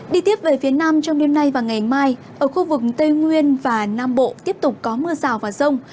đi tiếp về phía nam trong đêm nay và ngày mai ở khu vực tây nguyên và nam bộ tiếp tục có mưa rào và rông